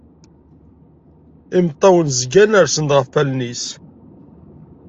Imeṭṭawen zgan rsen-d ɣef wallen-is.